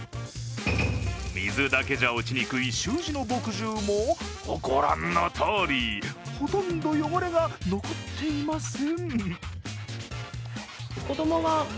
水だけじゃ落ちにくい習字の墨汁もご覧のとおり、ほとんど汚れが残っていません。